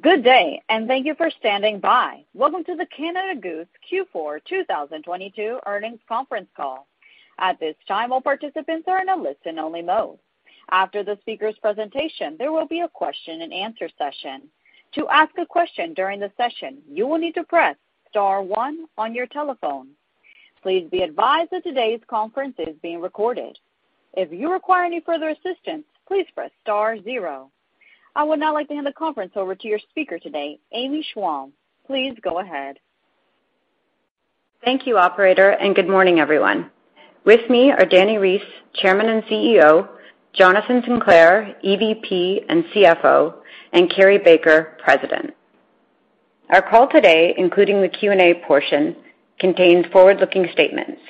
Good day, and thank you for standing by. Welcome to the Canada Goose Q4 2022 Earnings Conference Call. At this time, all participants are in a listen only mode. After the speaker's presentation, there will be a question and answer session. To ask a question during the session, you will need to press star one on your telephone. Please be advised that today's conference is being recorded. If you require any further assistance, please press star zero. I would now like to hand the conference over to your speaker today, Amy Schwalm. Please go ahead. Thank you, operator, and good morning, everyone. With me are Dani Reiss, Chairman and CEO, Jonathan Sinclair, EVP and CFO, and Carrie Baker, President. Our call today, including the Q&A portion, contains forward-looking statements.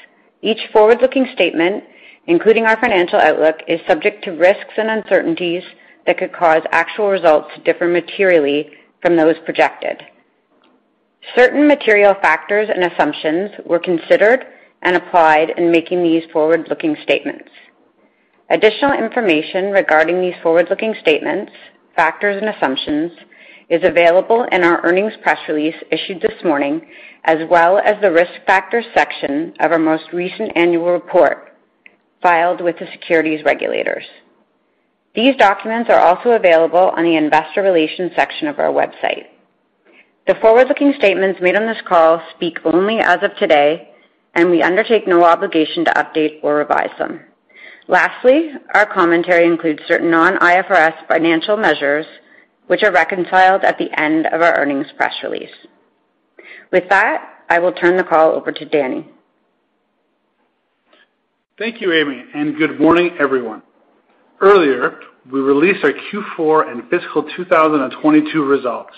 Each forward-looking statement, including our financial outlook, is subject to risks and uncertainties that could cause actual results to differ materially from those projected. Certain material factors and assumptions were considered and applied in making these forward-looking statements. Additional information regarding these forward-looking statements, factors, and assumptions is available in our earnings press release issued this morning, as well as the Risk Factors section of our most recent annual report filed with the securities regulators. These documents are also available on the Investor Relations section of our website. The forward-looking statements made on this call speak only as of today, and we undertake no obligation to update or revise them. Lastly, our commentary includes certain non-IFRS financial measures which are reconciled at the end of our earnings press release. With that, I will turn the call over to Dani. Thank you, Amy, and good morning, everyone. Earlier, we released our Q4 and fiscal 2022 results,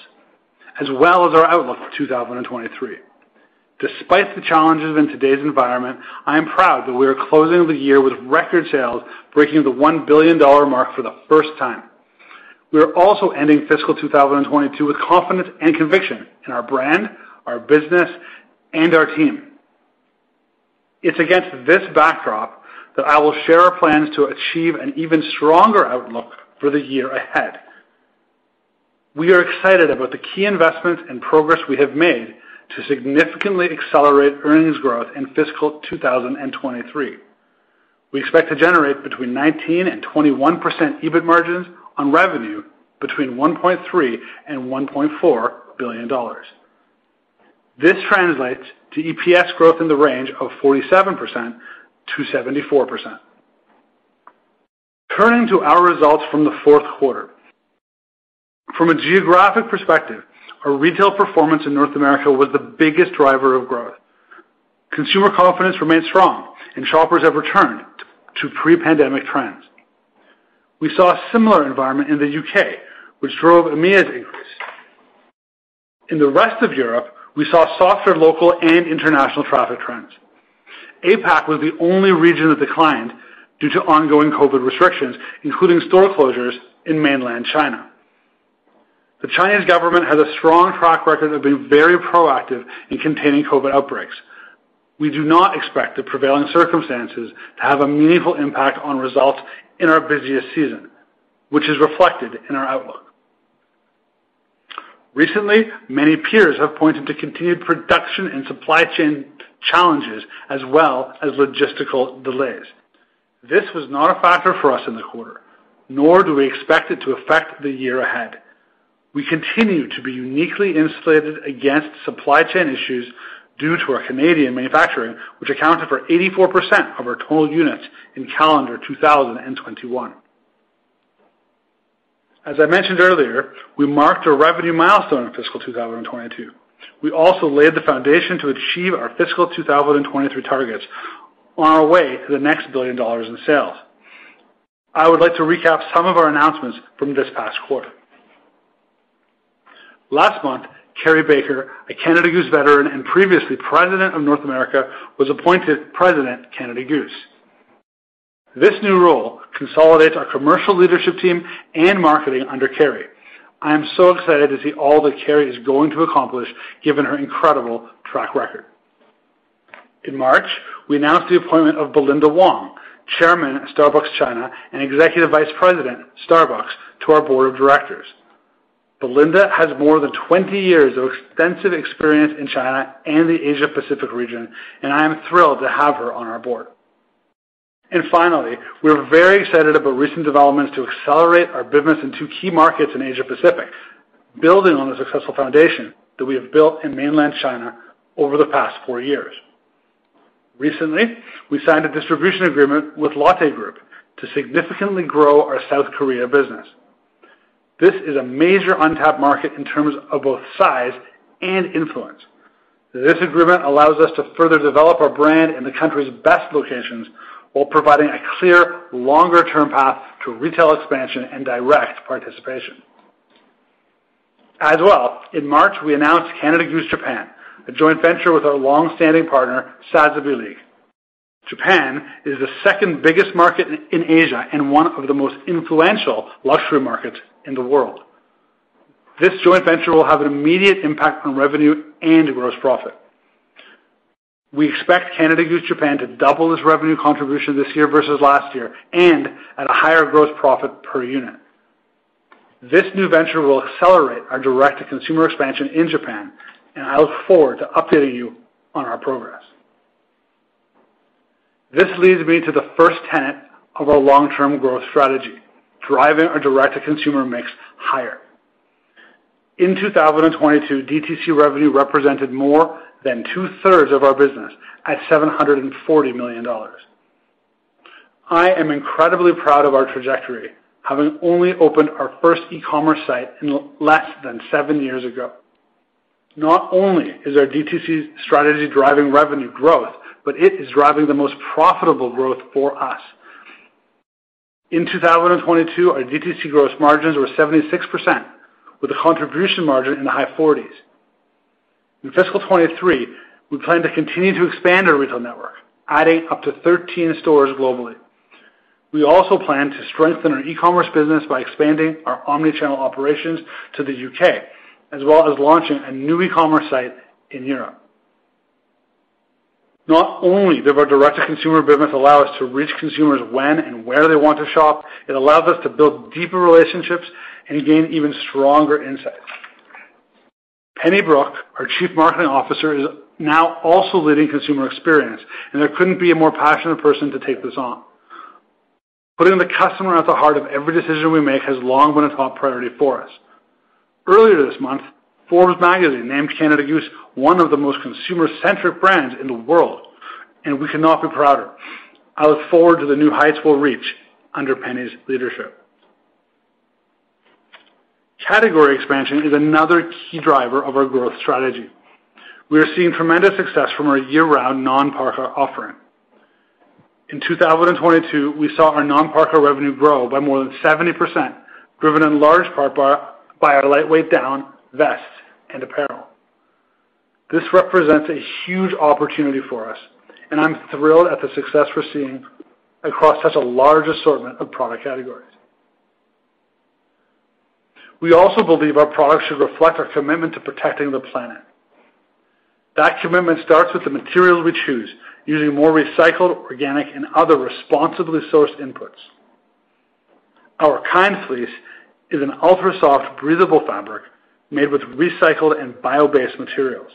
as well as our outlook for 2023. Despite the challenges in today's environment, I am proud that we are closing the year with record sales, breaking the 1 billion dollar mark for the first time. We are also ending fiscal 2022 with confidence and conviction in our brand, our business, and our team. It's against this backdrop that I will share our plans to achieve an even stronger outlook for the year ahead. We are excited about the key investments and progress we have made to significantly accelerate earnings growth in fiscal 2023. We expect to generate between 19% and 21% EBIT margins on revenue between 1.3 billion and 1.4 billion dollars. This translates to EPS growth in the range of 47%-74%. Turning to our results from the fourth quarter. From a geographic perspective, our retail performance in North America was the biggest driver of growth. Consumer confidence remains strong and shoppers have returned to pre-pandemic trends. We saw a similar environment in the U.K., which drove EMEA's increase. In the rest of Europe, we saw softer local and international traffic trends. APAC was the only region that declined due to ongoing COVID restrictions, including store closures in mainland China. The Chinese government has a strong track record of being very proactive in containing COVID outbreaks. We do not expect the prevailing circumstances to have a meaningful impact on results in our busiest season, which is reflected in our outlook. Recently, many peers have pointed to continued production and supply chain challenges as well as logistical delays. This was not a factor for us in the quarter, nor do we expect it to affect the year ahead. We continue to be uniquely insulated against supply chain issues due to our Canadian manufacturing, which accounted for 84% of our total units in calendar 2021. As I mentioned earlier, we marked a revenue milestone in fiscal 2022. We also laid the foundation to achieve our fiscal 2023 targets on our way to the next 1 billion dollars in sales. I would like to recap some of our announcements from this past quarter. Last month, Carrie Baker, a Canada Goose veteran and previously president of North America, was appointed President, Canada Goose. This new role consolidates our commercial leadership team and marketing under Carrie. I am so excited to see all that Carrie is going to accomplish, given her incredible track record. In March, we announced the appointment of Belinda Wong, Chairman of Starbucks China and Executive Vice President, Starbucks, to our board of directors. Belinda has more than 20 years of extensive experience in China and the Asia Pacific region, and I am thrilled to have her on our board. Finally, we're very excited about recent developments to accelerate our business in two key markets in Asia Pacific, building on the successful foundation that we have built in mainland China over the past four years. Recently, we signed a distribution agreement with Lotte Group to significantly grow our South Korea business. This is a major untapped market in terms of both size and influence. This agreement allows us to further develop our brand in the country's best locations while providing a clear, longer-term path to retail expansion and direct participation. In March, we announced Canada Goose Japan, a joint venture with our long-standing partner, SAZABY LEAGUE. Japan is the second biggest market in Asia and one of the most influential luxury markets in the world. This joint venture will have an immediate impact on revenue and gross profit. We expect Canada Goose Japan to double its revenue contribution this year versus last year and at a higher growth profit per unit. This new venture will accelerate our direct-to-consumer expansion in Japan, and I look forward to updating you on our progress. This leads me to the first tenet of our long-term growth strategy, driving our direct-to-consumer mix higher. In 2022, DTC revenue represented more than two-thirds of our business at 740 million dollars. I am incredibly proud of our trajectory, having only opened our first e-commerce site less than seven years ago. Not only is our DTC strategy driving revenue growth, but it is driving the most profitable growth for us. In 2022, our DTC gross margins were 76%, with a contribution margin in the high 40s%. In fiscal 2023, we plan to continue to expand our retail network, adding up to 13 stores globally. We also plan to strengthen our e-commerce business by expanding our omni-channel operations to the U.K., as well as launching a new e-commerce site in Europe. Not only did our direct-to-consumer business allow us to reach consumers when and where they want to shop, it allows us to build deeper relationships and gain even stronger insights. Penny Brook, our Chief Marketing Officer, is now also leading consumer experience, and there couldn't be a more passionate person to take this on. Putting the customer at the heart of every decision we make has long been a top priority for us. Earlier this month, Forbes Magazine named Canada Goose one of the most consumer-centric brands in the world, and we could not be prouder. I look forward to the new heights we'll reach under Penny's leadership. Category expansion is another key driver of our growth strategy. We are seeing tremendous success from our year-round non-parka offering. In 2022, we saw our non-parka revenue grow by more than 70%, driven in large part by our lightweight down vests and apparel. This represents a huge opportunity for us, and I'm thrilled at the success we're seeing across such a large assortment of product categories. We also believe our products should reflect our commitment to protecting the planet. That commitment starts with the materials we choose, using more recycled, organic, and other responsibly sourced inputs. Our Kind Fleece is an ultra-soft, breathable fabric made with recycled and bio-based materials.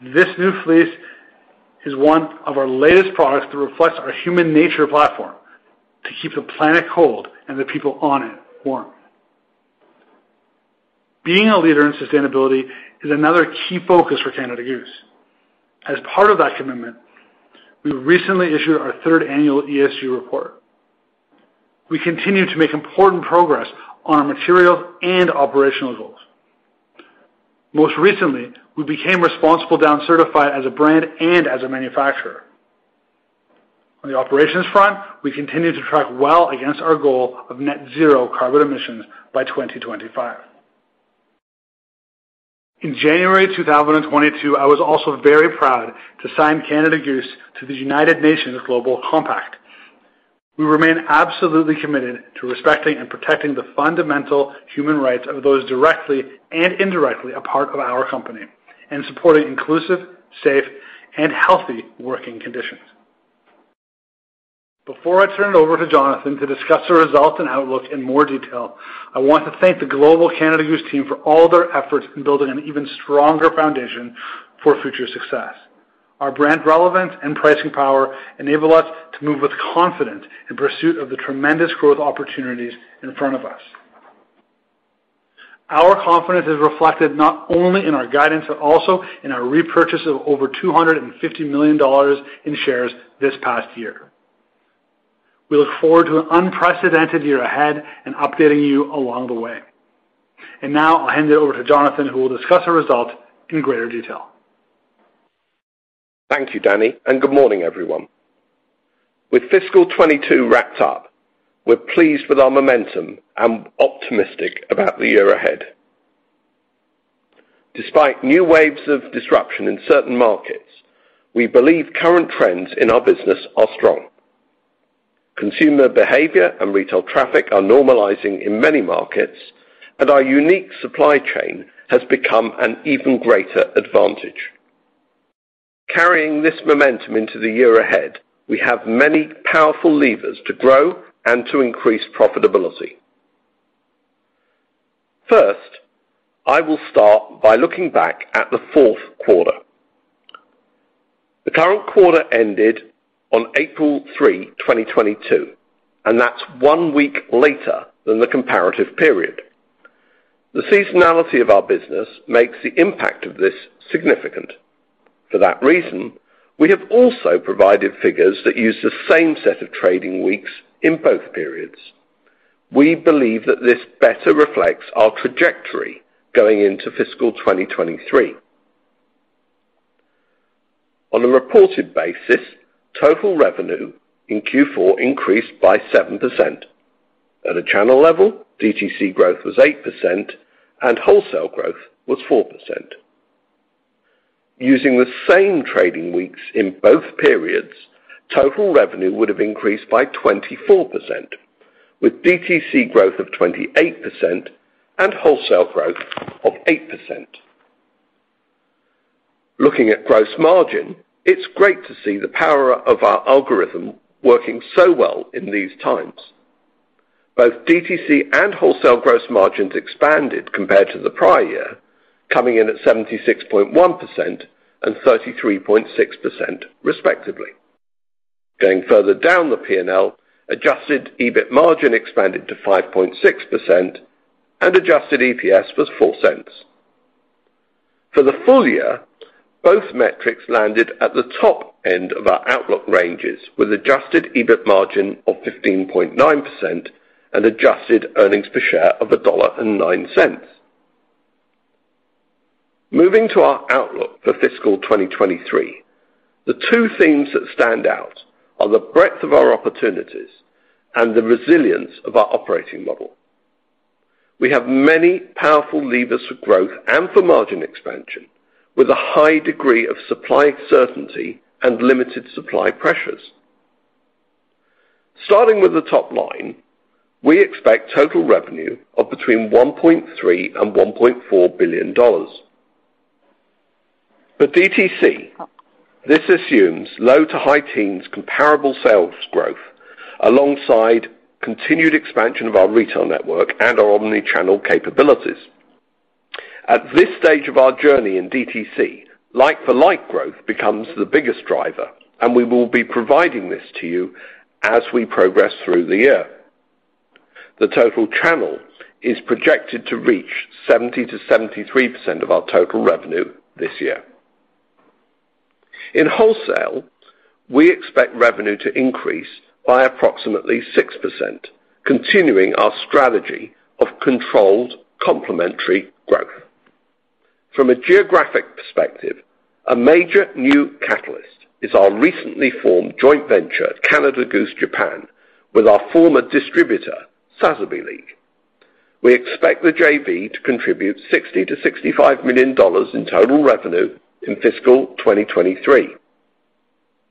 This new fleece is one of our latest products that reflects our HUMANATURE platform to keep the planet cold and the people on it warm. Being a leader in sustainability is another key focus for Canada Goose. As part of that commitment, we recently issued our third annual ESG report. We continue to make important progress on our material and operational goals. Most recently, we became Responsible Down certified as a brand and as a manufacturer. On the operations front, we continue to track well against our goal of net zero carbon emissions by 2025. In January 2022, I was also very proud to sign Canada Goose to the United Nations Global Compact. We remain absolutely committed to respecting and protecting the fundamental human rights of those directly and indirectly a part of our company and supporting inclusive, safe, and healthy working conditions. Before I turn it over to Jonathan to discuss the results and outlook in more detail, I want to thank the global Canada Goose team for all their efforts in building an even stronger foundation for future success. Our brand relevance and pricing power enable us to move with confidence in pursuit of the tremendous growth opportunities in front of us. Our confidence is reflected not only in our guidance, but also in our repurchase of over 250 million dollars in shares this past year. We look forward to an unprecedented year ahead and updating you along the way. Now I'll hand it over to Jonathan, who will discuss the results in greater detail. Thank you, Dani, and good morning, everyone. With fiscal 2022 wrapped up, we're pleased with our momentum and optimistic about the year ahead. Despite new waves of disruption in certain markets, we believe current trends in our business are strong. Consumer behavior and retail traffic are normalizing in many markets, and our unique supply chain has become an even greater advantage. Carrying this momentum into the year ahead, we have many powerful levers to grow and to increase profitability. First, I will start by looking back at the fourth quarter. The current quarter ended on April 3, 2022, and that's one week later than the comparative period. The seasonality of our business makes the impact of this significant. For that reason, we have also provided figures that use the same set of trading weeks in both periods. We believe that this better reflects our trajectory going into fiscal 2023. On a reported basis, total revenue in Q4 increased by 7%. At a channel level, DTC growth was 8% and wholesale growth was 4%. Using the same trading weeks in both periods, total revenue would have increased by 24%. With DTC growth of 28% and wholesale growth of 8%. Looking at gross margin, it's great to see the power of our algorithm working so well in these times. Both DTC and wholesale gross margins expanded compared to the prior year, coming in at 76.1% and 33.6% respectively. Going further down the P&L, adjusted EBIT margin expanded to 5.6%, and adjusted EPS was 0.04. For the full year, both metrics landed at the top end of our outlook ranges, with adjusted EBIT margin of 15.9% and adjusted earnings per share of 1.09 dollar. Moving to our outlook for fiscal 2023, the two themes that stand out are the breadth of our opportunities and the resilience of our operating model. We have many powerful levers for growth and for margin expansion, with a high degree of supply certainty and limited supply pressures. Starting with the top line, we expect total revenue of between 1.3 billion and 1.4 billion dollars. For DTC, this assumes low to high teens comparable sales growth alongside continued expansion of our retail network and our omni-channel capabilities. At this stage of our journey in DTC, like-for-like growth becomes the biggest driver, and we will be providing this to you as we progress through the year. The total channel is projected to reach 70%-73% of our total revenue this year. In wholesale, we expect revenue to increase by approximately 6%, continuing our strategy of controlled, complementary growth. From a geographic perspective, a major new catalyst is our recently formed joint venture at Canada Goose Japan with our former distributor, Sazaby League. We expect the JV to contribute 60 million-65 million dollars in total revenue in fiscal 2023.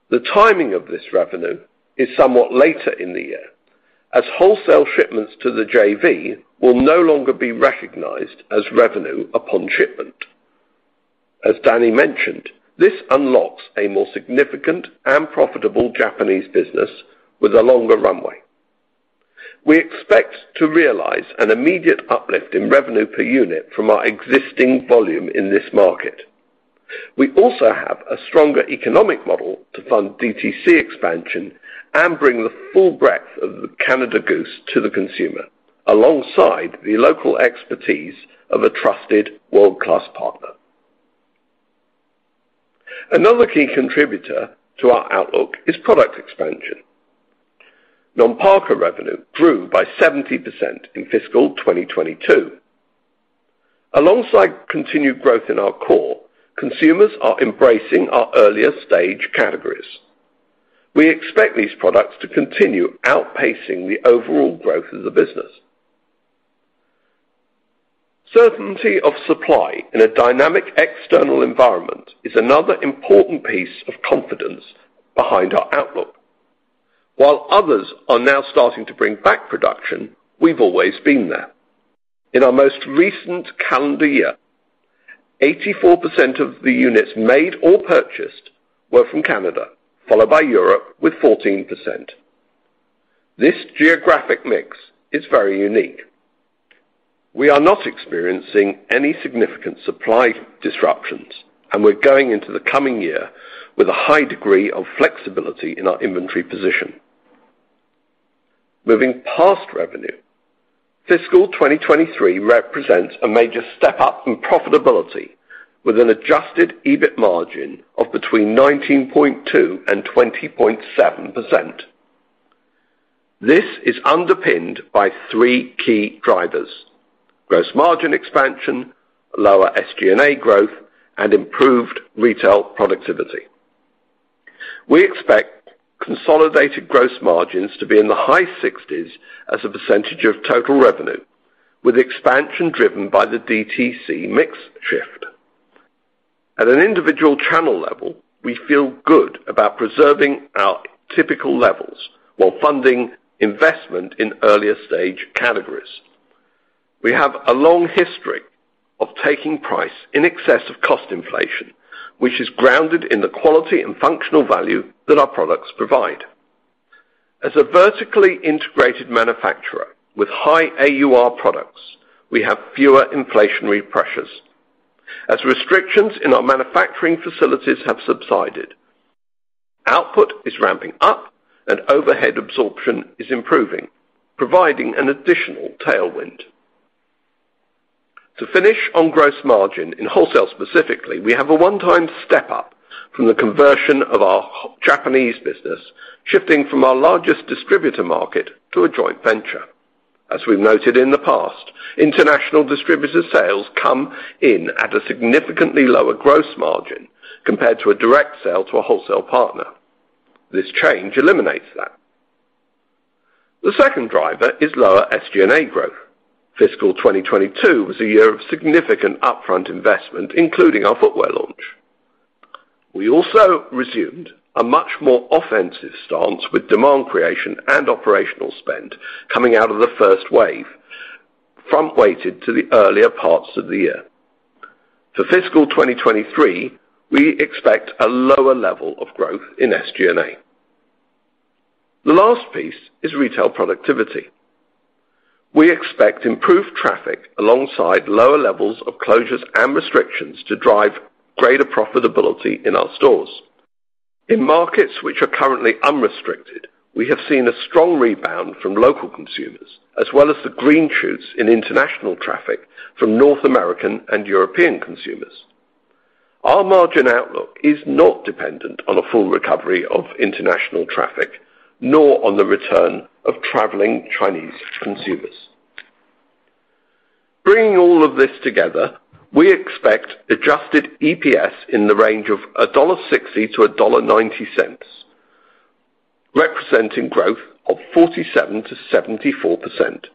The timing of this revenue is somewhat later in the year, as wholesale shipments to the JV will no longer be recognized as revenue upon shipment. As Dani mentioned, this unlocks a more significant and profitable Japanese business with a longer runway. We expect to realize an immediate uplift in revenue per unit from our existing volume in this market. We also have a stronger economic model to fund DTC expansion and bring the full breadth of the Canada Goose to the consumer, alongside the local expertise of a trusted world-class partner. Another key contributor to our outlook is product expansion. Non-parka revenue grew by 70% in fiscal 2022. Alongside continued growth in our core, consumers are embracing our earlier stage categories. We expect these products to continue outpacing the overall growth of the business. Certainty of supply in a dynamic external environment is another important piece of confidence behind our outlook. While others are now starting to bring back production, we've always been there. In our most recent calendar year, 84% of the units made or purchased were from Canada, followed by Europe with 14%. This geographic mix is very unique. We are not experiencing any significant supply disruptions, and we're going into the coming year with a high degree of flexibility in our inventory position. Moving past revenue, fiscal 2023 represents a major step up in profitability with an adjusted EBIT margin of between 19.2% and 20.7%. This is underpinned by three key drivers, gross margin expansion, lower SG&A growth, and improved retail productivity. We expect consolidated gross margins to be in the high 60s of total revenue, with expansion driven by the DTC mix shift. At an individual channel level, we feel good about preserving our typical levels while funding investment in earlier stage categories. We have a long history of taking price in excess of cost inflation, which is grounded in the quality and functional value that our products provide. As a vertically integrated manufacturer with high AUR products, we have fewer inflationary pressures. As restrictions in our manufacturing facilities have subsided, output is ramping up and overhead absorption is improving, providing an additional tailwind. To finish on gross margin in wholesale specifically, we have a one-time step-up from the conversion of our Japanese business, shifting from our largest distributor market to a joint venture. As we've noted in the past, international distributor sales come in at a significantly lower gross margin compared to a direct sale to a wholesale partner. This change eliminates that. The second driver is lower SG&A growth. Fiscal 2022 was a year of significant upfront investment, including our footwear launch. We also resumed a much more offensive stance with demand creation and operational spend coming out of the first wave, front-weighted to the earlier parts of the year. For fiscal 2023, we expect a lower level of growth in SG&A. The last piece is retail productivity. We expect improved traffic alongside lower levels of closures and restrictions to drive greater profitability in our stores. In markets which are currently unrestricted, we have seen a strong rebound from local consumers, as well as the green shoots in international traffic from North American and European consumers. Our margin outlook is not dependent on a full recovery of international traffic, nor on the return of traveling Chinese consumers. Bringing all of this together, we expect adjusted EPS in the range of 1.60-1.90 dollar, representing growth of 47%-74%.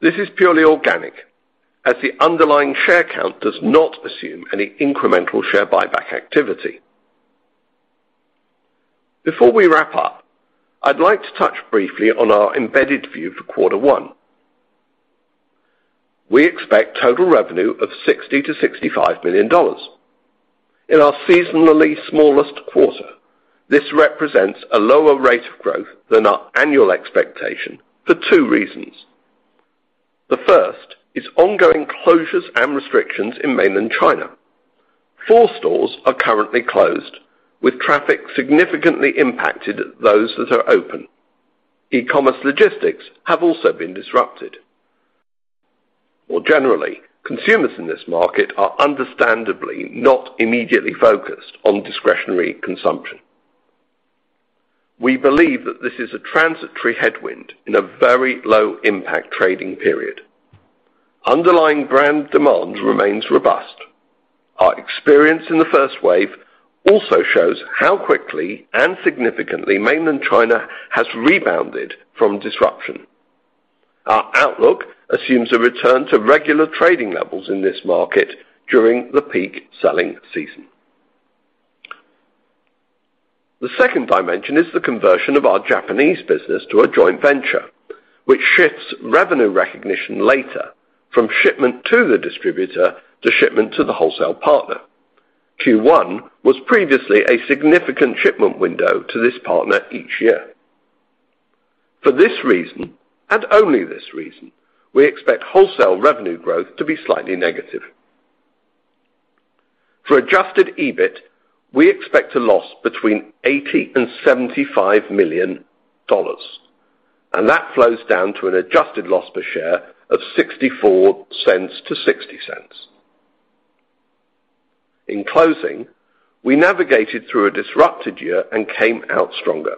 This is purely organic, as the underlying share count does not assume any incremental share buyback activity. Before we wrap up, I'd like to touch briefly on our embedded view for quarter one. We expect total revenue of 60 million-65 million dollars. In our seasonally smallest quarter, this represents a lower rate of growth than our annual expectation for two reasons. The first is ongoing closures and restrictions in mainland China. Four stores are currently closed, with traffic significantly impacted, those that are open. E-commerce logistics have also been disrupted. More generally, consumers in this market are understandably not immediately focused on discretionary consumption. We believe that this is a transitory headwind in a very low impact trading period. Underlying brand demand remains robust. Our experience in the first wave also shows how quickly and significantly mainland China has rebounded from disruption. Our outlook assumes a return to regular trading levels in this market during the peak selling season. The second dimension is the conversion of our Japanese business to a joint venture, which shifts revenue recognition later from shipment to the distributor to shipment to the wholesale partner. Q1 was previously a significant shipment window to this partner each year. For this reason, and only this reason, we expect wholesale revenue growth to be slightly negative. For adjusted EBIT, we expect a loss between 80 million and 75 million dollars, and that flows down to an adjusted loss per share of 0.64-0.60. In closing, we navigated through a disrupted year and came out stronger.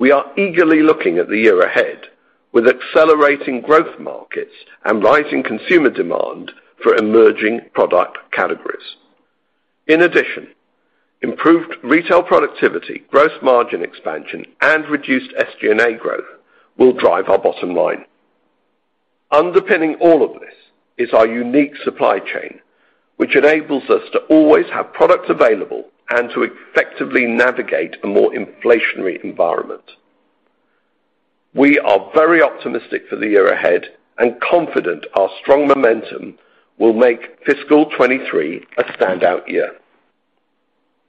We are eagerly looking at the year ahead with accelerating growth markets and rising consumer demand for emerging product categories. In addition, improved retail productivity, gross margin expansion, and reduced SG&A growth will drive our bottom line. Underpinning all of this is our unique supply chain, which enables us to always have products available and to effectively navigate a more inflationary environment. We are very optimistic for the year ahead and confident our strong momentum will make fiscal 2023 a standout year.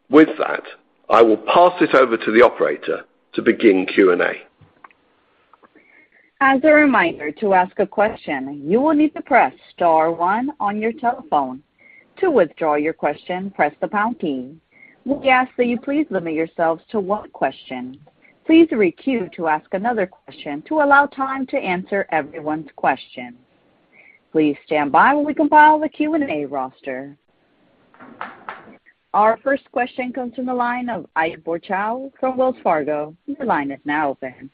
With that, I will pass it over to the operator to begin Q&A. As a reminder, to ask a question, you will need to press star one on your telephone. To withdraw your question, press the pound key. We ask that you please limit yourselves to one question. Please re-queue to ask another question to allow time to answer everyone's question. Please stand by while we compile the Q&A roster. Our first question comes from the line of Ike Boruchow from Wells Fargo. Your line is now open.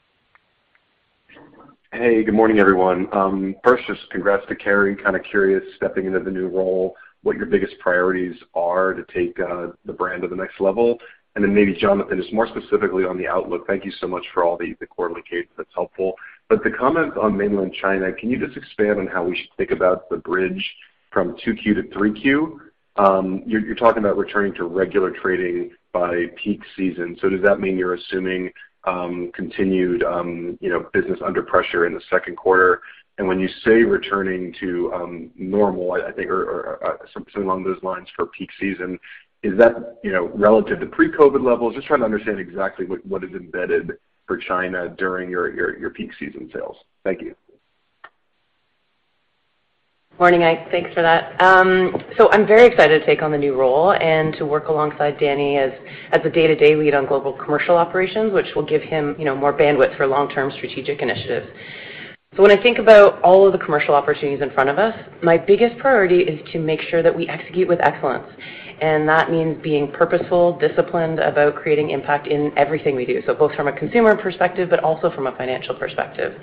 Hey, good morning, everyone. First, just congrats to Carrie. Kind of curious, stepping into the new role, what your biggest priorities are to take the brand to the next level. Then maybe Jonathan, just more specifically on the outlook, thank you so much for all the quarterly case. That's helpful. The comment on mainland China, can you just expand on how we should think about the bridge from 2Q to 3Q? You're talking about returning to regular trading by peak season. Does that mean you're assuming continued, you know, business under pressure in the second quarter? When you say returning to normal, I think or something along those lines for peak season, is that, you know, relative to pre-COVID levels? Just trying to understand exactly what is embedded for China during your peak season sales? Thank you. Morning, Ike. Thanks for that. I'm very excited to take on the new role and to work alongside Dani as a day-to-day lead on global commercial operations, which will give him, you know, more bandwidth for long-term strategic initiatives. When I think about all of the commercial opportunities in front of us, my biggest priority is to make sure that we execute with excellence, and that means being purposeful, disciplined about creating impact in everything we do, so both from a consumer perspective, but also from a financial perspective.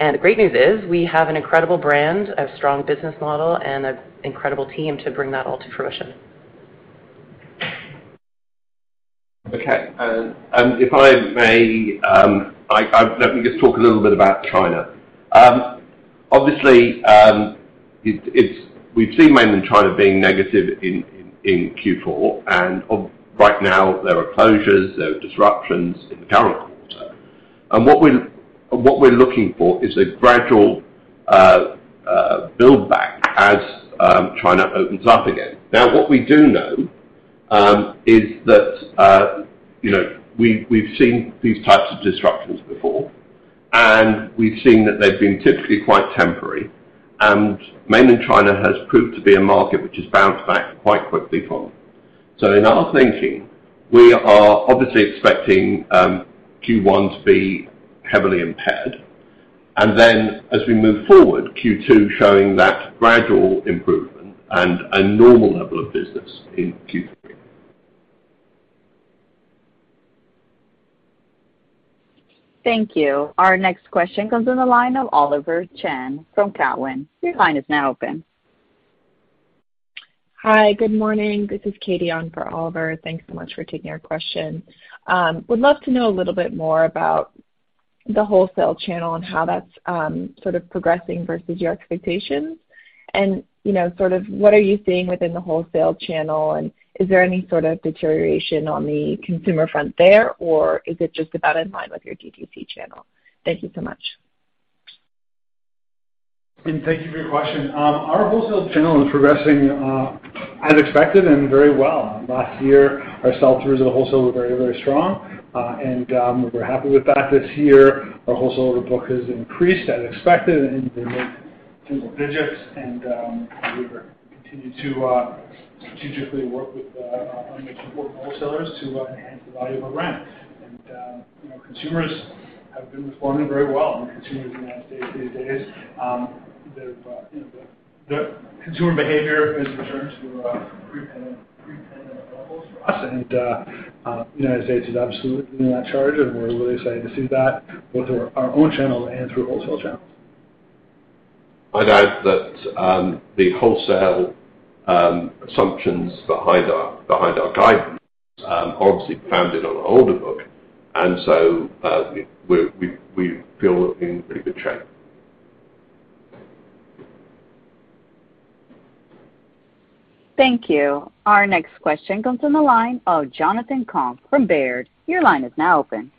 The great news is we have an incredible brand, a strong business model, and an incredible team to bring that all to fruition. Okay. If I may, let me just talk a little bit about China. Obviously, we've seen Mainland China being negative in Q4. Right now there are closures, there are disruptions in the current quarter. What we are looking for is a gradual build back as China opens up again. Now, what we do know is that you know, we've seen these types of disruptions before, and we've seen that they've been typically quite temporary. Mainland China has proved to be a market which has bounced back quite quickly from. In our thinking, we are obviously expecting Q1 to be heavily impaired. Then as we move forward, Q2 showing that gradual improvement and a normal level of business in Q3. Thank you. Our next question comes in the line of Oliver Chen from Cowen. Your line is now open. Hi, good morning. This is Katie on for Oliver. Thanks so much for taking our question. Would love to know a little bit more about the wholesale channel and how that's sort of progressing versus your expectations. You know, sort of what are you seeing within the wholesale channel, and is there any sort of deterioration on the consumer front there, or is it just about in line with your DTC channel? Thank you so much. Thank you for your question. Our wholesale channel is progressing as expected and very well. Last year, our sell-throughs of the wholesale were very, very strong. We're happy with that this year. Our wholesale order book has increased as expected in the mid-single digits, and we've continued to strategically work with our most important wholesalers to enhance the value of our brand. You know, consumers have been responding very well. Consumers in the United States these days, you know, the consumer behavior has returned to pre-pandemic levels for us. United States is absolutely leading the charge, and we're really excited to see that both through our own channel and through wholesale channels. I'd add that, the wholesale assumptions behind our guidance, obviously founded on an older book. We feel that we're in pretty good shape. Thank you. Our next question comes on the line of Jonathan Komp from Baird. Your line is now open.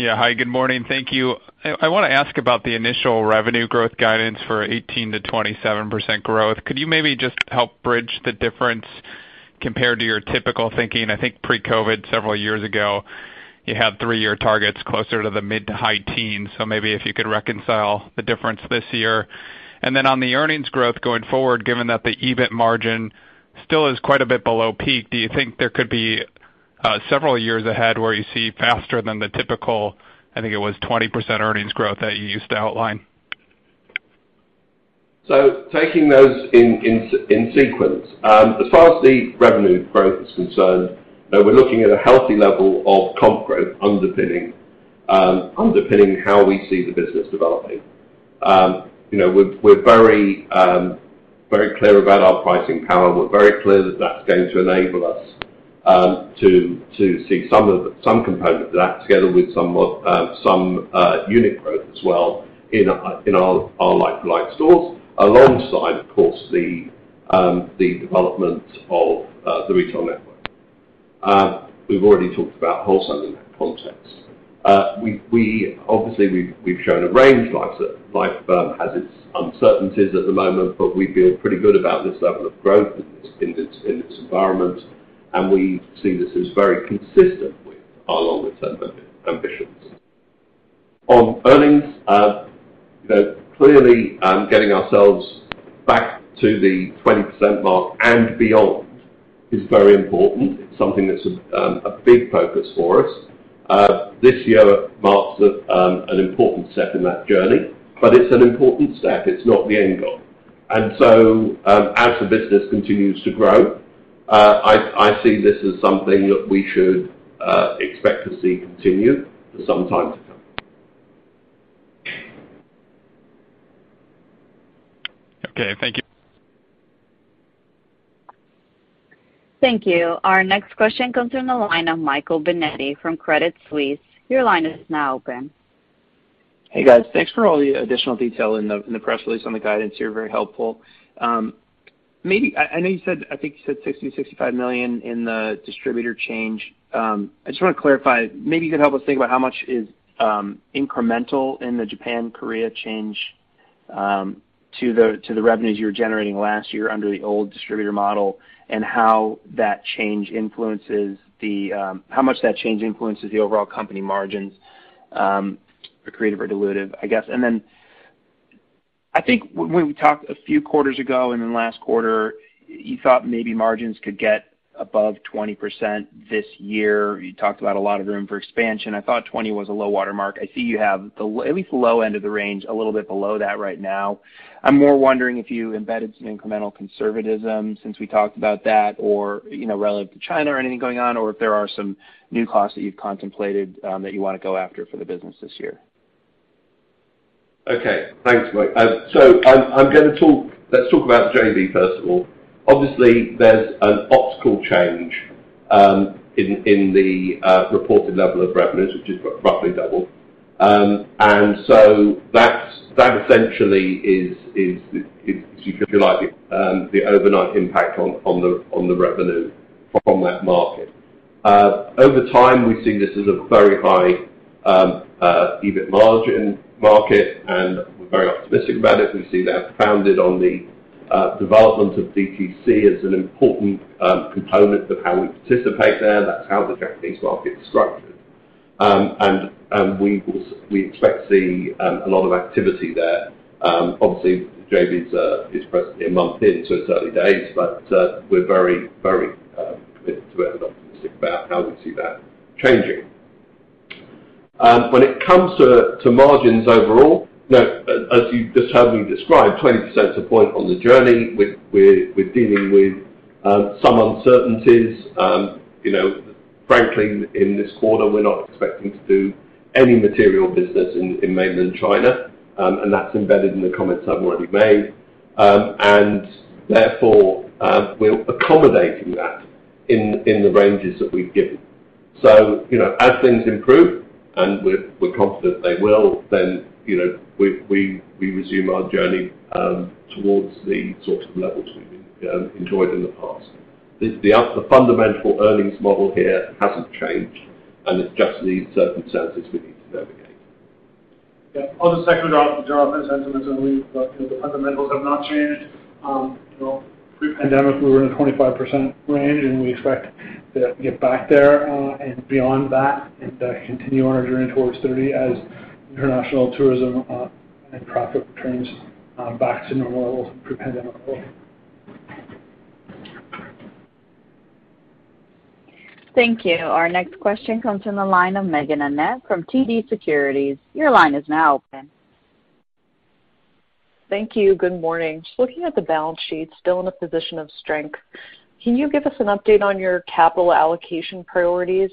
Yeah. Hi, good morning. Thank you. I wanna ask about the initial revenue growth guidance for 18%-27% growth. Could you maybe just help bridge the difference compared to your typical thinking? I think pre-COVID, several years ago, you had three-year targets closer to the mid- to high-teens. Maybe if you could reconcile the difference this year. Then on the earnings growth going forward, given that the EBIT margin still is quite a bit below peak, do you think there could be several years ahead where you see faster than the typical, I think it was 20% earnings growth that you used to outline? Taking those in sequence, as far as the revenue growth is concerned, we're looking at a healthy level of comp growth underpinning how we see the business developing. You know, we're very clear about our pricing power. We're very clear that that's going to enable us to see some component of that together with some unit growth as well in our like-like stores, alongside, of course, the development of the retail network. We've already talked about wholesaling in that context. We obviously have shown a range. Life has its uncertainties at the moment, but we feel pretty good about this level of growth in this environment, and we see this as very consistent with our longer term ambitions. On earnings, you know, clearly, getting ourselves back to the 20% mark and beyond is very important. It's something that's a big focus for us. This year marks an important step in that journey, but it's an important step. It's not the end goal. As the business continues to grow, I see this as something that we should expect to see continue for some time to come. Okay. Thank you. Thank you. Our next question comes in the line of Michael Binetti from Credit Suisse. Your line is now open. Hey, guys. Thanks for all the additional detail in the press release on the guidance here. Very helpful. Maybe I know you said, I think you said 60 million-65 million in the distributor change. I just wanna clarify, maybe you could help us think about how much is incremental in the Japan, Korea change to the revenues you were generating last year under the old distributor model, and how that change influences how much that change influences the overall company margins, accretive or dilutive, I guess. Then I think when we talked a few quarters ago, and then last quarter, you thought maybe margins could get above 20% this year. You talked about a lot of room for expansion. I thought 20 was a low water mark. I see you have the low end of the range a little bit below that right now. I'm more wondering if you embedded some incremental conservatism since we talked about that or, you know, relative to China or anything going on, or if there are some new costs that you've contemplated that you wanna go after for the business this year. Okay, thanks, Mike. Let's talk about JV first of all. Obviously, there's an optical change in the reported level of revenues, which is roughly double. That essentially is, if you like, the overnight impact on the revenue from that market. Over time, we see this as a very high EBIT margin market, and we're very optimistic about it. We see that founded on the development of DTC as an important component of how we participate there. That's how the Japanese market is structured. We expect to see a lot of activity there. Obviously JV's is presently a month in, so it's early days, but we're very committed to it and optimistic about how we see that changing. When it comes to margins overall, you know, as you just heard me describe, 20% is a point on the journey. We're dealing with some uncertainties. You know, frankly, in this quarter, we're not expecting to do any material business in mainland China, and that's embedded in the comments I've already made. Therefore, we're accommodating that in the ranges that we've given. You know, as things improve, and we're confident they will, then, you know, we resume our journey towards the sorts of levels we've enjoyed in the past. The fundamental earnings model here hasn't changed, and it's just these circumstances we need to navigate. Yeah. I'll just second Jonathan's sentiments, and, you know, the fundamentals have not changed. You know, pre-pandemic, we were in a 25% range, and we expect to get back there, and beyond that and, continue our journey towards 30% as international tourism and traffic returns back to normal pre-pandemic levels. Thank you. Our next question comes from the line of Meaghen Annett from TD Securities. Your line is now open. Thank you. Good morning. Just looking at the balance sheet, still in a position of strength, can you give us an update on your capital allocation priorities,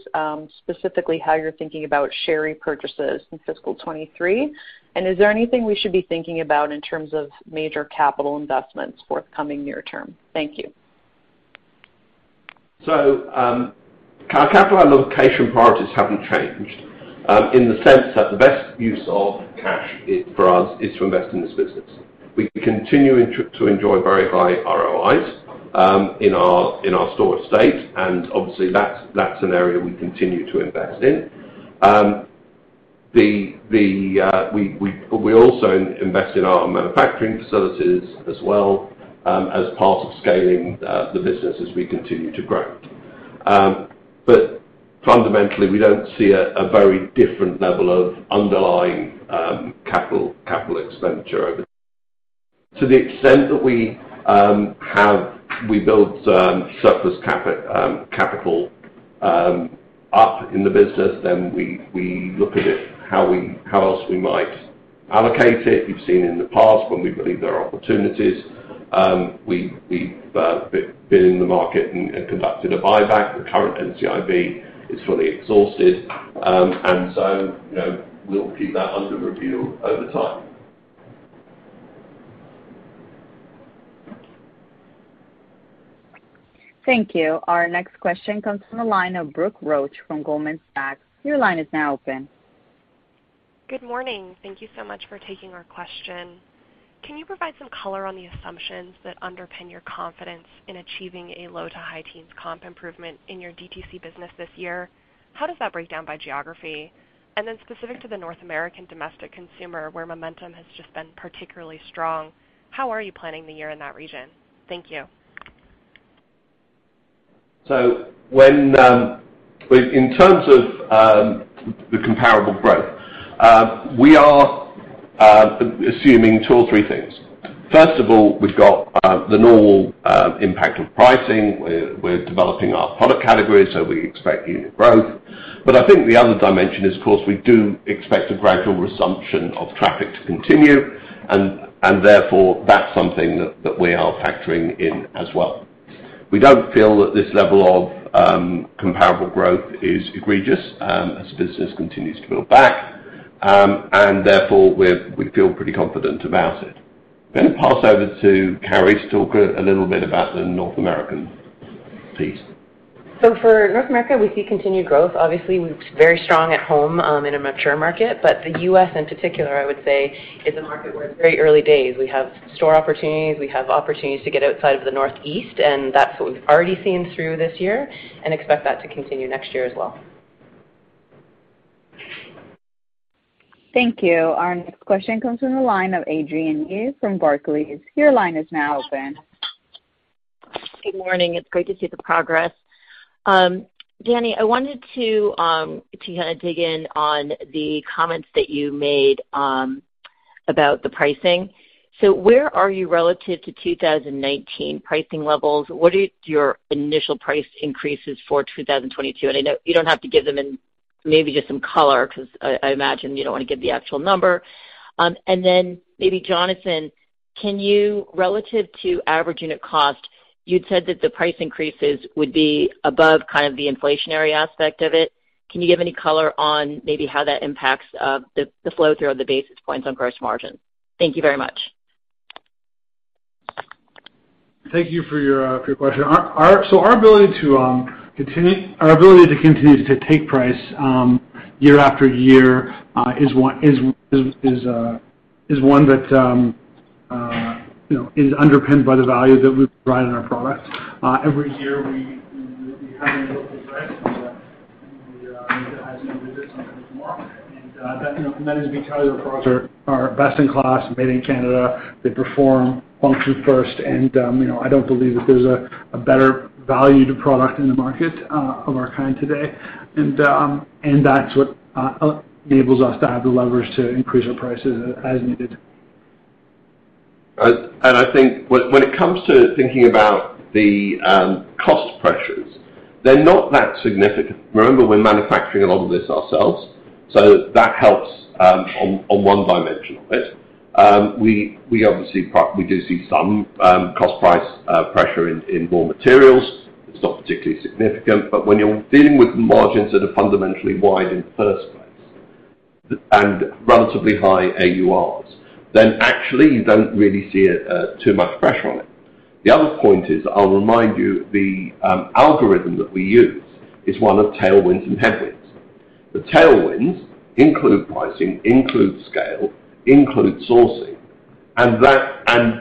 specifically how you're thinking about share repurchases in fiscal 2023? Is there anything we should be thinking about in terms of major capital investments forthcoming near term? Thank you. Our capital allocation priorities haven't changed in the sense that the best use of cash is, for us, to invest in this business. We continue to enjoy very high ROIs in our store estate, and obviously that's an area we continue to invest in. We also invest in our manufacturing facilities as well as part of scaling the business as we continue to grow. Fundamentally, we don't see a very different level of underlying capital expenditure. To the extent that we build surplus capital up in the business, then we look at how else we might allocate it. You've seen in the past when we believe there are opportunities, we've been in the market and conducted a buyback. The current NCIB is fully exhausted. You know, we'll keep that under review over time. Thank you. Our next question comes from the line of Brooke Roach from Goldman Sachs. Your line is now open. Good morning. Thank you so much for taking our question. Can you provide some color on the assumptions that underpin your confidence in achieving a low to high teens comp improvement in your DTC business this year? How does that break down by geography? Specific to the North American domestic consumer, where momentum has just been particularly strong, how are you planning the year in that region? Thank you. When in terms of the comparable growth we are assuming two or three things. First of all, we've got the normal impact of pricing. We're developing our product categories, so we expect unit growth. I think the other dimension is, of course, we do expect a gradual resumption of traffic to continue and therefore that's something that we are factoring in as well. We don't feel that this level of comparable growth is egregious as business continues to build back. Therefore we feel pretty confident about it. I'm gonna pass over to Carrie to talk a little bit about the North American piece. For North America, we see continued growth. Obviously, we're very strong at home, in a mature market, but the U.S. in particular, I would say, is a market where it's very early days. We have store opportunities. We have opportunities to get outside of the Northeast, and that's what we've already seen through this year and expect that to continue next year as well. Thank you. Our next question comes from the line of Adrienne Yih from Barclays. Your line is now open. Good morning. It's great to see the progress. Dani, I wanted to kinda dig in on the comments that you made about the pricing. Where are you relative to 2019 pricing levels? What are your initial price increases for 2022? I know you don't have to give them. Maybe just some color 'cause I imagine you don't wanna give the actual number. Then maybe Jonathan, can you, relative to average unit cost, you'd said that the price increases would be above kind of the inflationary aspect of it. Can you give any color on maybe how that impacts the flow through of the basis points on gross margin? Thank you very much. Thank you for your question. Our ability to continue to take price year after year is one that you know is underpinned by the value that we provide in our products. Every year we have and that is because our products are best in class, made in Canada. They perform function first and you know I don't believe that there's a better value to product in the market of our kind today. That's what enables us to have the leverage to increase our prices as needed. I think when it comes to thinking about the cost pressures, they're not that significant. Remember, we're manufacturing a lot of this ourselves, so that helps on one dimension of it. We obviously do see some cost price pressure in raw materials. It's not particularly significant. But when you're dealing with margins that are fundamentally wide in the first place and relatively high AURs, then actually you don't really see it too much pressure on it. The other point is, I'll remind you, the algorithm that we use is one of tailwinds and headwinds. The tailwinds include pricing, scale, sourcing.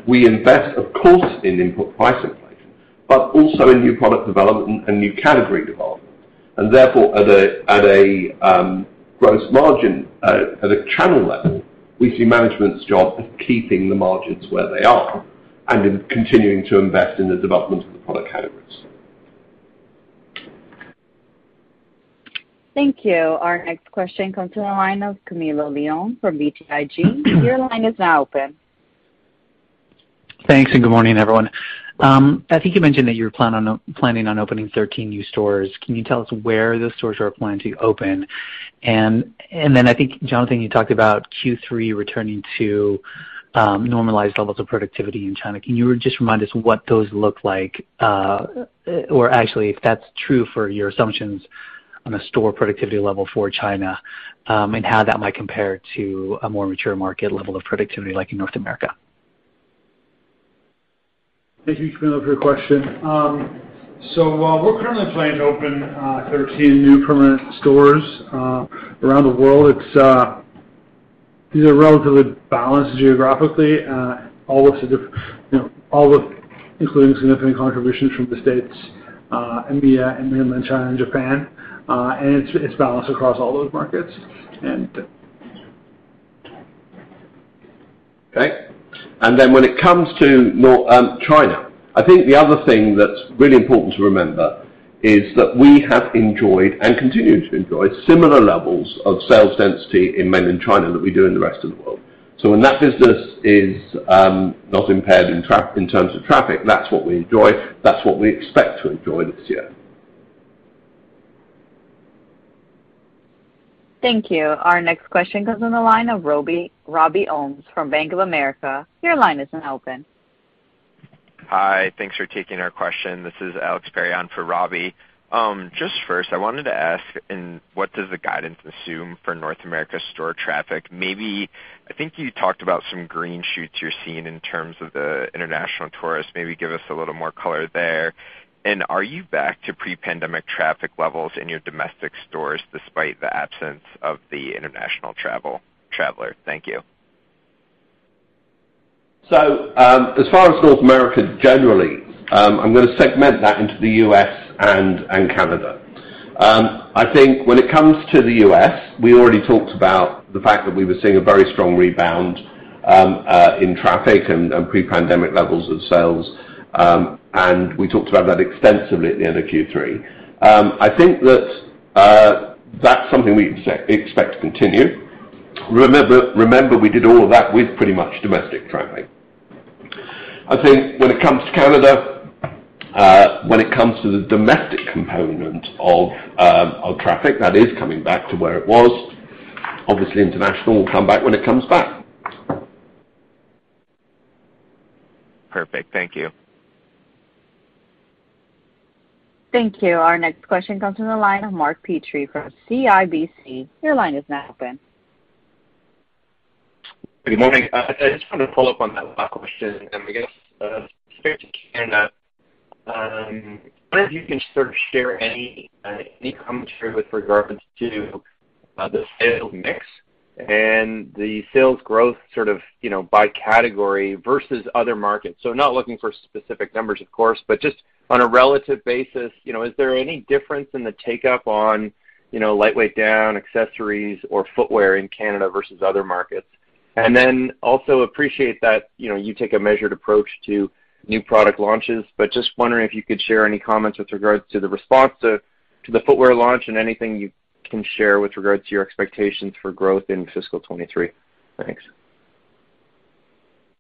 We invest, of course, in input price inflation, but also in new product development and new category development. Therefore, at a gross margin, at a channel level, we see management's job as keeping the margins where they are and in continuing to invest in the development of the product categories. Thank you. Our next question comes from the line of Camilo Lyon from BTIG. Your line is now open. Thanks, and good morning, everyone. I think you mentioned that you're planning on opening 13 new stores. Can you tell us where those stores are planning to open? I think, Jonathan, you talked about Q3 returning to normalized levels of productivity in China. Can you just remind us what those look like? Actually, if that's true for your assumptions on a store productivity level for China, and how that might compare to a more mature market level of productivity like in North America. Thank you, Camilo, for your question. We're currently planning to open 13 new permanent stores around the world. These are relatively balanced geographically, you know, all with including significant contributions from the States, EMEA, and Mainland China, and Japan. It's balanced across all those markets. Okay. When it comes to China, I think the other thing that's really important to remember is that we have enjoyed and continue to enjoy similar levels of sales density in Mainland China that we do in the rest of the world. When that business is not impaired in terms of traffic, that's what we enjoy. That's what we expect to enjoy this year. Thank you. Our next question comes on the line of Robby, Robby Ohmes from Bank of America. Your line is now open. Hi. Thanks for taking our question. This is Alex Perry for Robby. Just first, I wanted to ask what does the guidance assume for North America store traffic? Maybe I think you talked about some green shoots you're seeing in terms of the international tourists. Maybe give us a little more color there. Are you back to pre-pandemic traffic levels in your domestic stores despite the absence of the international traveler? Thank you. As far as North America, generally, I'm gonna segment that into the U.S. and Canada. I think when it comes to the US, we already talked about the fact that we were seeing a very strong rebound in traffic and pre-pandemic levels of sales. We talked about that extensively at the end of Q3. I think that that's something we expect to continue. Remember we did all of that with pretty much domestic traffic. I think when it comes to Canada, when it comes to the domestic component of traffic, that is coming back to where it was. Obviously, international will come back when it comes back. Perfect. Thank you. Thank you. Our next question comes from the line of Mark Petrie from CIBC. Your line is now open. Good morning. I just wanted to follow up on that last question. I guess, comparing to Canada, wonder if you can sort of share any any commentary with regards to the sales mix and the sales growth sort of, you know, by category versus other markets. So not looking for specific numbers, of course, but just on a relative basis, you know, is there any difference in the take-up on, you know, lightweight down accessories or footwear in Canada versus other markets? Then also appreciate that, you know, you take a measured approach to new product launches, but just wondering if you could share any comments with regards to the response to the footwear launch and anything you can share with regard to your expectations for growth in fiscal 2023. Thanks.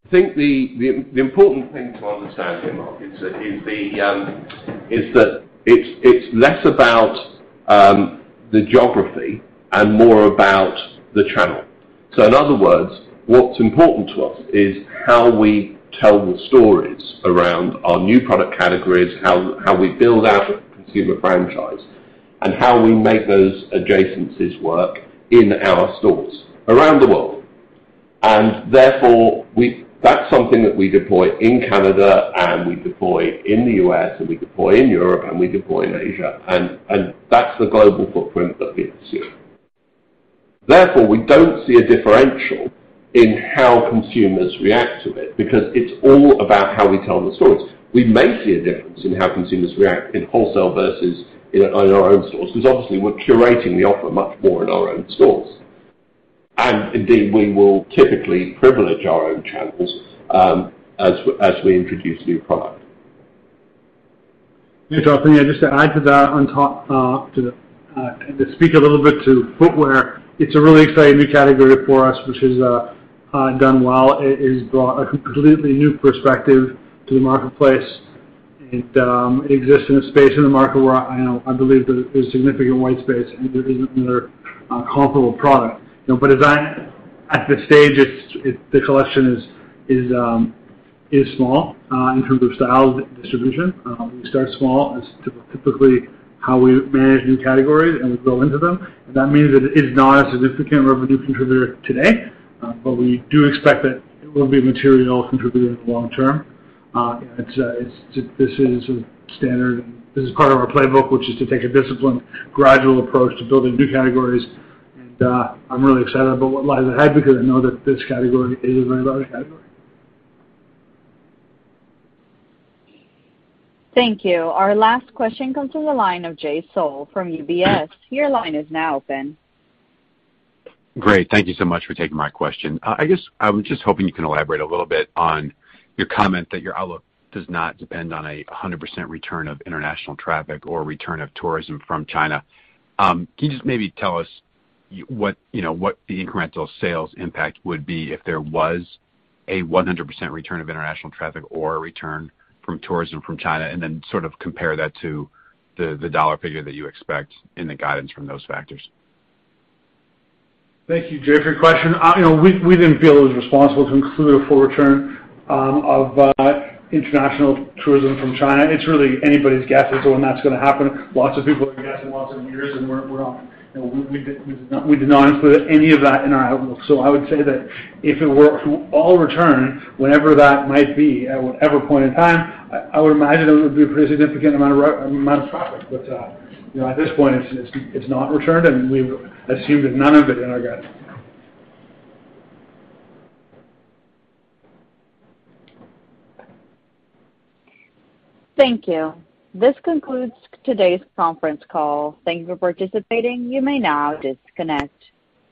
I think the important thing to understand here, Mark, is that it's less about the geography and more about the channel. In other words, what's important to us is how we tell the stories around our new product categories, how we build out a consumer franchise, and how we make those adjacencies work in our stores around the world. Therefore, that's something that we deploy in Canada, and we deploy in the US, and we deploy in Europe, and we deploy in Asia. That's the global footprint that we pursue. Therefore, we don't see a differential in how consumers react to it because it's all about how we tell the stories. We may see a difference in how consumers react in wholesale versus in our own stores, because obviously, we're curating the offer much more in our own stores. Indeed, we will typically privilege our own channels, as we introduce new product. Thanks, Anthony. Just to add to that on top, to speak a little bit to footwear, it's a really exciting new category for us, which has done well. It has brought a completely new perspective to the marketplace. It exists in a space in the market where I believe there's significant white space, and there isn't another comparable product. You know, but at this stage, the collection is small in terms of style and distribution. We start small. That's typically how we manage new categories, and we grow into them. That means that it is not a significant revenue contributor today, but we do expect that it will be a material contributor in the long term. This is a standard, and this is part of our playbook, which is to take a disciplined, gradual approach to building new categories. I'm really excited about what lies ahead because I know that this category is a very large category. Thank you. Our last question comes from the line of Jay Sole from UBS. Your line is now open. Great. Thank you so much for taking my question. I guess I was just hoping you can elaborate a little bit on your comment that your outlook does not depend on a 100% return of international traffic or return of tourism from China. Can you just maybe tell us you know what the incremental sales impact would be if there was a 100% return of international traffic or a return from tourism from China, and then sort of compare that to the dollar figure that you expect in the guidance from those factors? Thank you, Jay, for your question. You know, we didn't feel it was responsible to include a full return of international tourism from China. It's really anybody's guess as to when that's gonna happen. Lots of people are guessing lots of years, and we're not. You know, we did not include any of that in our outlook. I would say that if it were to all return whenever that might be, at whatever point in time, I would imagine it would be a pretty significant amount of traffic. At this point, it's not returned, and we've assumed none of it in our guidance. Thank you. This concludes today's conference call. Thank you for participating. You may now disconnect.